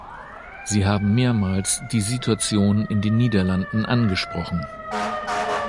Sie haben mehrmals die Situation in den Niederlanden angesprochen.